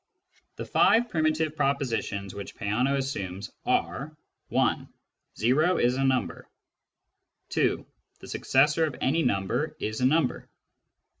The five primitive propositions which Peano assumes are : (1) o is a number. (2) The successor of any number is a number.